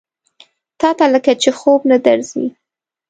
تاته لکه چې خوب نه درځي؟